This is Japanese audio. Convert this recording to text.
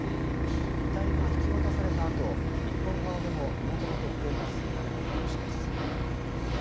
遺体が引き渡されたあと日本側でも身元の特定が進められる見通しです。